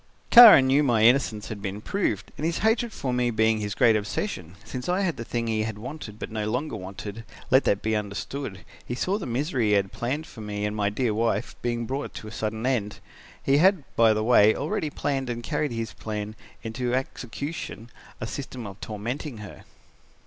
"Kara knew my innocence had been proved and his hatred for me being his great obsession, since I had the thing he had wanted but no longer wanted, let that be understood he saw the misery he had planned for me and my dear wife being brought to a sudden end. He had, by the way, already planned and carried his plan into execution, a system of tormenting her.